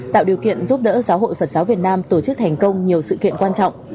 tạo điều kiện giúp đỡ giáo hội phật giáo việt nam tổ chức thành công nhiều sự kiện quan trọng